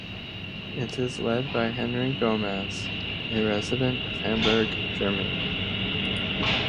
It is led by Henry Gomez, a resident of Hamburg, Germany.